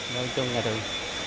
nói chung là thường